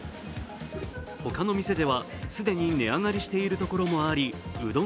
他の店では既に値上がりしているところもありうどん